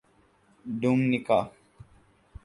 Dominica